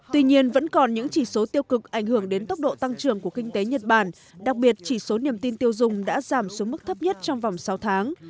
tuy nhiên vẫn còn những chỉ số tiêu cực ảnh hưởng đến tốc độ tăng trưởng của kinh tế nhật bản đặc biệt chỉ số niềm tin tiêu dùng đã giảm xuống mức thấp nhất trong vòng sáu tháng